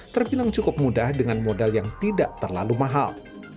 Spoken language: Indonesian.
terbilang cukup mudah dengan modal yang tidak terlalu mahal